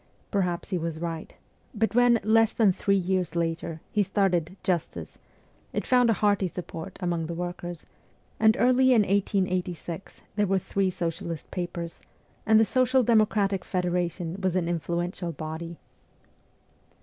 Perhaps he was right ; but when, less than three years later, he started ' Justice,' it found a hearty support among the workers, and early in 1886 there were three socialist papers, and the Social Democratic Federation was an influential body.